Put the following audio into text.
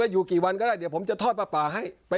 อยู่กี่วันก็ได้เดี๋ยวผมจะทอดปลาให้